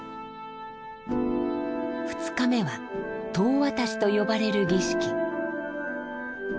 ２日目は「当渡し」と呼ばれる儀式。